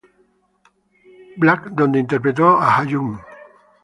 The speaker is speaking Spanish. Black donde interpretó a Ha-joon.